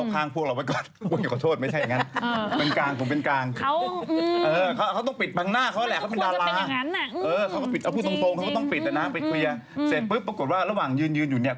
คือปรากฏว่าระหว่างยืนอยู่เนี่ย